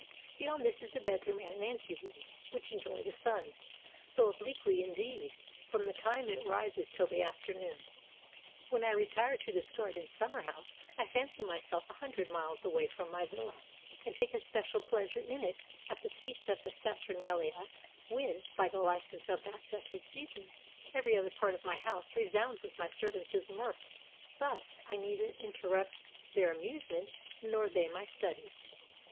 Beyond this lie a bedroom and anteroom, which enjoy the sun, though obliquely indeed, from the time it rises till the afternoon. When I retire to this garden summer house, I fancy myself a hundred miles away from my villa, and take especial pleasure in it at the feast of the Saturnalia, when, by the license of that fes tive season, every other part of my house resounds with my servants' mirth: thus I neither interrupt their amusement nor they my studies.